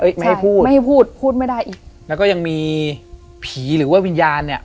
ไม่ให้พูดไม่ให้พูดพูดไม่ได้อีกแล้วก็ยังมีผีหรือว่าวิญญาณเนี้ย